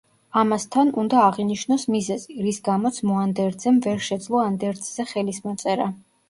ამასთან, უნდა აღინიშნოს მიზეზი, რის გამოც მოანდერძემ ვერ შეძლო ანდერძზე ხელის მოწერა.